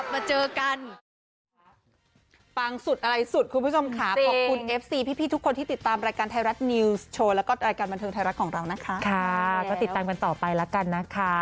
ไม่อีกเดี๋ยวกลับมาเจอกัน